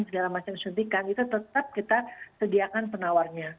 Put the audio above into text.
sejarah masyarakat yang menyuntikan itu tetap kita sediakan penawarnya